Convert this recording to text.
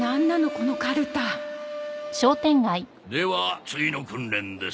このかるたでは次の訓練です。